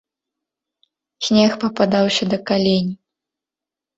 Снег пападаўся да калень.